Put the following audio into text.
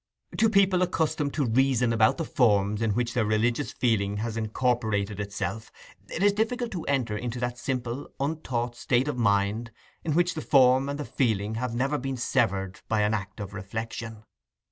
To people accustomed to reason about the forms in which their religious feeling has incorporated itself, it is difficult to enter into that simple, untaught state of mind in which the form and the feeling have never been severed by an act of reflection.